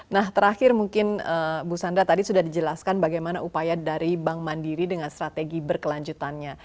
nah terakhir mungkin bu sandra tadi sudah dijelaskan bagaimana upaya dari bank mandiri dengan strategi berkelanjutannya